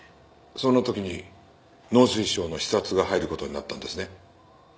そんな時に農水省の視察が入る事になったんですね。